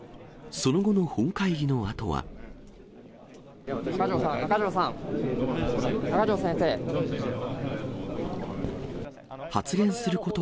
その後の本会議のあとは。